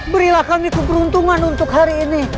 berilah kami keberuntungan untuk hari ini